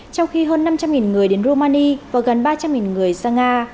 trong khi hơn năm trăm linh người đến romani và gần ba trăm linh người sang nga